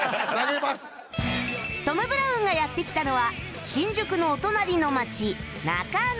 トム・ブラウンがやって来たのは新宿のお隣の街中野